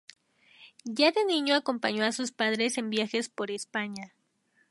Ya de niño acompañó a sus padres en viajes por España.